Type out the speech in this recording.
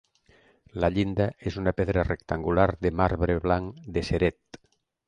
La llinda és una pedra rectangular de marbre blanc de Ceret.